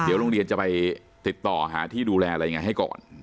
เดี๋ยวโรงเรียนจะไปติดต่อหาที่ดูแลอะไรยังไงให้ก่อน